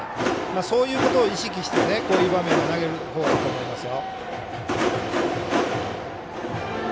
そういうことを意識してこういう場面は投げるほうがいいと思いますよ。